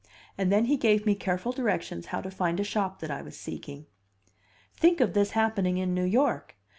And then he gave me careful directions how to find a shop that I was seeking. Think of this happening in New York!